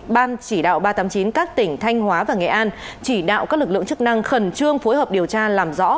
ban chỉ đạo ba trăm tám mươi chín các tỉnh thanh hóa và nghệ an chỉ đạo các lực lượng chức năng khẩn trương phối hợp điều tra làm rõ